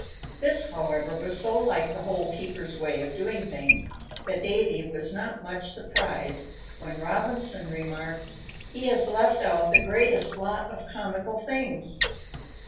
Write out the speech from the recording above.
This, however, was so like the Hole keeper's way of doing things that Davy was not much surprised when Robinson remarked, "He has left out the greatest lot of comical things!"